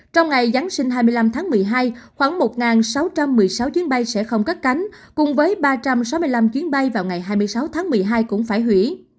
trong ngày giáng sinh hai mươi năm tháng một mươi hai khoảng một sáu trăm một mươi sáu chuyến bay sẽ không cắt cánh cùng với ba trăm sáu mươi năm chuyến bay vào ngày hai mươi sáu tháng một mươi hai cũng phải hủy